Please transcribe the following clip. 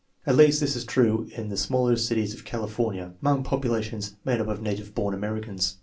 At least this is true in the smaller cities of California among populations made up of native born Americans.